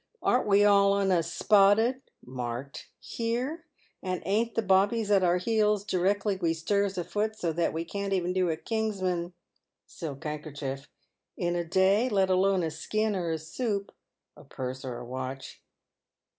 Arn't we all on us spotted (marked) here ? and ain't the Bobbies at our heels directly we stirs a foot, so that we can't even do a kingsman (silk handkerchief) in a day, let alone a skin or a soup (a purse or watch)